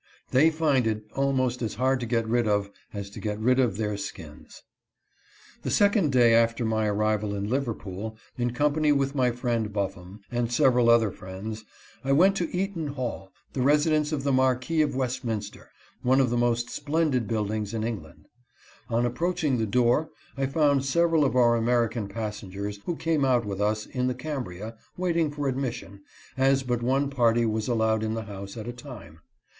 They find it almost as hard to get rid of as to get rid of their skins. The second day after my arrival in Liverpool, in com pany with my friend Buffum, and several other friends, I went to Eaton Hall, the residence of the Marquis of DISGUSTED AMERICANS. 305 Westminster, one of the most splendid buildings in Eng land. On approaching the door, I found several of our American passengers who came out with us in the Cam bria, waiting for admission, as but one party was allowed in the house at a time.